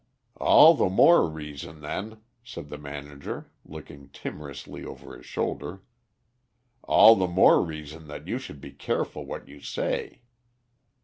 "All the more reason, then," said the manager, looking timorously over his shoulder "all the more reason that you should be careful what you say."